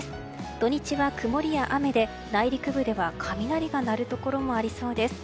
土日は曇りや雨で内陸部では雷が鳴るところもありそうです。